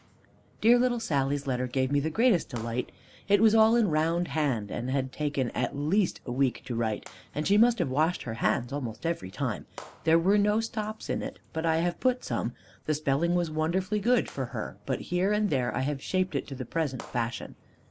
Dear little Sally's letter gave me the greatest delight. It was all in round hand, and had taken at least a week to write, and she must have washed her hands almost every time. There were no stops in it, but I have put some. The spelling was wonderfully good for her, but here and there I have shaped it to the present fashion.